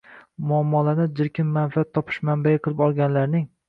muammolarni chirkin manfaat topish manbai qilib olganlarning